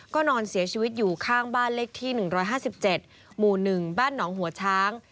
ก็นอนเสียชีวิตอยู่ข้างบ้านเลขที่๑๕๗หมู่๑บ้านหนองหัวช้าง